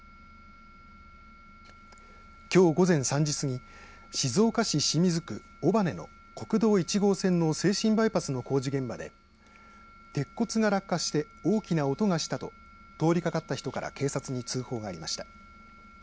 きょう午前３時過ぎ静岡市清水区尾羽の国道１号線の静清バイパスの工事現場で鉄骨が落下して大きな音がしたと通りかかった人から警察に通報がありました。